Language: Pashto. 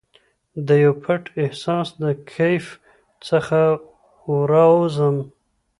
دیو پټ احساس د کیف څخه راوزم